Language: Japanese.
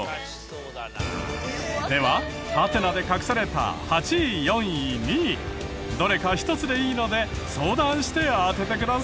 ではハテナで隠された８位４位２位どれか１つでいいので相談して当ててください。